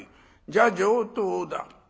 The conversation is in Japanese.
じゃ上等だ。